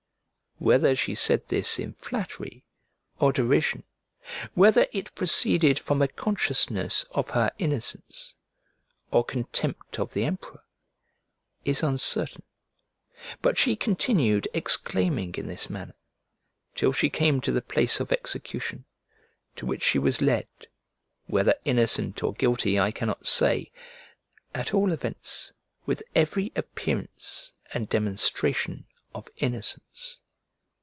" Whether she said this in flattery or derision; whether it proceeded from a consciousness of her innocence, or contempt of the emperor, is uncertain; but she continued exclaiming in this manner, till she came to the place of execution, to which she was led, whether innocent or guilty I cannot say, at all events with every appearance and demonstration of innocence.